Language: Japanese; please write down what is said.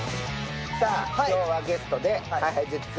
今日はゲストでＨｉＨｉＪｅｔｓ